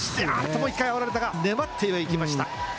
もう一回あおられたが、粘っていきました。